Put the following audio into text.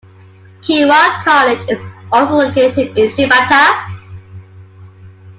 Keiwa College is also located in Shibata.